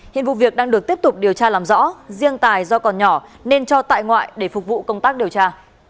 hiện vụ việc đang được tiếp tục điều tra làm rõ riêng tài do còn nhỏ nên cho tại ngoại để phục vụ công tác điều tra